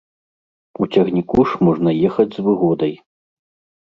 У цягніку ж можна ехаць з выгодай.